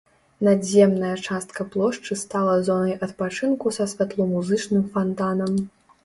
Надземная частка плошчы стала зонай адпачынку са святломузычным фантанам.